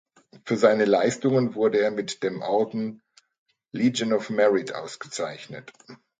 Für seine Leistungen wurde er mit dem Orden Legion of Merit ausgezeichnet.